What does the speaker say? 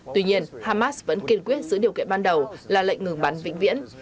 tuy nhiên hamas vẫn kiên quyết giữ điều kiện ban đầu là lệnh ngừng bắn vĩnh viễn